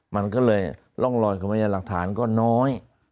มันก็เลยร่องรอยของพยานหลักฐานก็น้อย